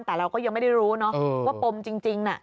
แต่เราก็ยังไม่ได้รู้เนอะว่าปมจริงน่ะ